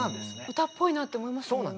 歌っぽいなって思いましたもん。